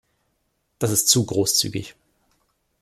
Das ist zu großzügig.